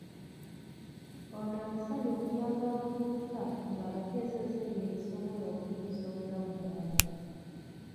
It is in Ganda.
Ono amusabye okuyamba abavubuka ng'abateesezza ebyo ebisobola okukyusa obulamu bwabwe.